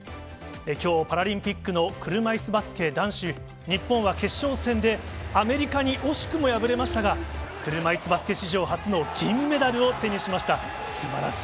きょう、パラリンピックの車いすバスケ男子、日本は決勝戦でアメリカに惜しくも敗れましたが、車いすバスケ史上初の銀メダルを手にしました。